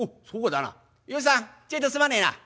ちょいとすまねえな。